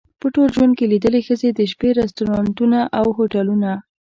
په ټول ژوند کې لیدلې ښځې د شپې رستورانتونه او هوټلونه.